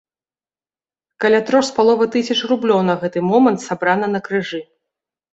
Каля трох з паловай тысяч рублёў на гэты момант сабрана на крыжы.